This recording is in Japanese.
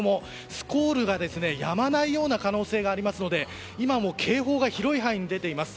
スコールが止まないような可能性がありますので今も警報が広い範囲に出ています。